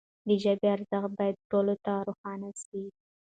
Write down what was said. د ژبي ارزښت باید ټولو ته روښانه سي.